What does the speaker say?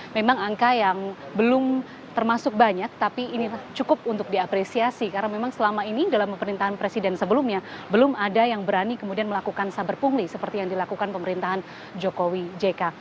memang angka yang belum termasuk banyak tapi ini cukup untuk diapresiasi karena memang selama ini dalam pemerintahan presiden sebelumnya belum ada yang berani kemudian melakukan saber pungli seperti yang dilakukan pemerintahan jokowi jk